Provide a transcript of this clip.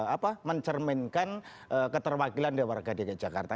apa mencerminkan keterwakilan di warga dg jakarta